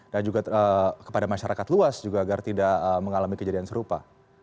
dan juga kepada masyarakat luas juga agar tidak mengalami kejadian serupa